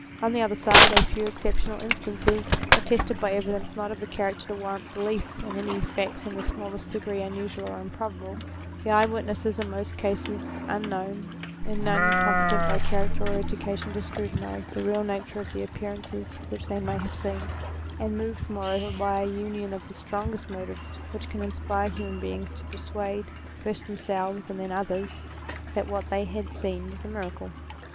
On the other side, a few exceptional instances, attested by evidence not of a character to warrant belief in any facts in the smallest degree unusual or improbable; the eye witnesses in most cases unknown, in none competent by character or education to scrutinize the real nature of the appearances which they may have seen,* and moved moreover by a union of the strongest motives which can inspire human beings to persuade, first themselves, and then others, that what they had seen was a miracle.